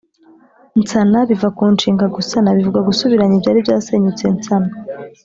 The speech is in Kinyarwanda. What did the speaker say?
nsana: biva ku nshinga “gusana” bivuga gusubiranya ibyari byasenyutse nsana